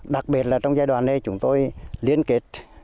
đặc biệt là trong giai đoạn này chúng tôi liên kết